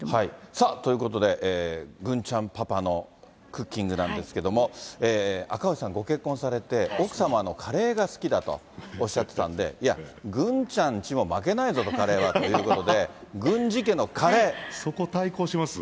さあ、ということで、郡ちゃんパパのクッキングなんですけども、赤星さん、ご結婚されて、奥様のカレーが好きだとおっしゃってたんで、いや、郡ちゃんちも負けないぞと、カレーはということで、そこ対抗します？